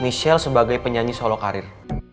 michelle sebagai penyanyi solo karir